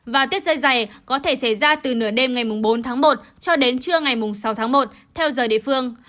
và tiết trời dày có thể xảy ra từ nửa đêm ngày bốn tháng một cho đến trưa ngày sáu tháng một theo giờ địa phương